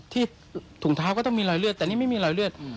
ถุงเท้าก็ต้องมีรอยเลือดแต่นี่ไม่มีรอยเลือด